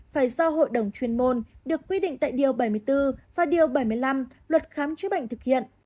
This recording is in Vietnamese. phải do hội đồng chuyên môn được quy định tại điều bảy mươi bốn và điều bảy mươi năm luật khám chữa bệnh thực hiện